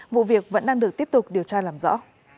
vụ việc vẫn đang được tiếp tục điều tra làm rõ